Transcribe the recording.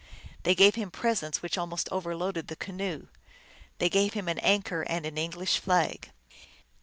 They gave him presents which almost overloaded the canoe. They gave him an anchor and an English flag.